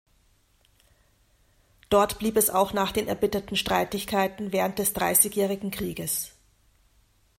Dort blieb es auch nach den erbitterten Streitigkeiten während des Dreißigjährigen Krieges.